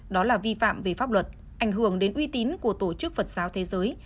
đó là vi phạm về pháp luật ảnh hưởng đến uy tín của tổ chức phật giáo thế giới